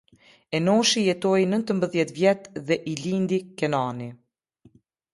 Enoshi jetoi nëntëdhjetë vjet dhe i lindi Kenani.